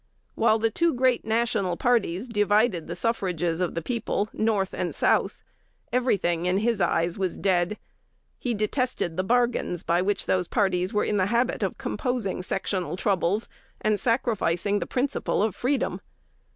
While the two great national parties divided the suffrages of the people, North and South, every thing in his eyes was "dead." He detested the bargains by which those parties were in the habit of composing sectional troubles, and sacrificing the "principle of freedom."